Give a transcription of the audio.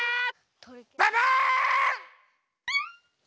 ババン！